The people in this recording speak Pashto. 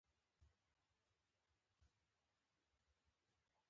افغانستان د مورغاب سیند په برخه کې له نړیوالو سره کار کوي.